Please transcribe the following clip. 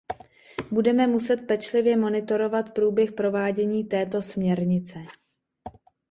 Budeme muset pečlivě monitorovat průběh provádění této směrnice.